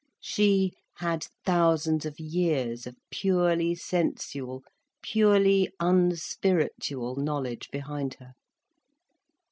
She had thousands of years of purely sensual, purely unspiritual knowledge behind her.